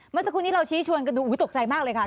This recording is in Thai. เมื่อสักครู่นี้เราชี้ชวนกันดูตกใจมากเลยค่ะ